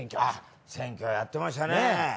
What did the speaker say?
あっ選挙やってましたね。